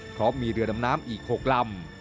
เพราะมีเรือดำน้ำอีก๖ลำ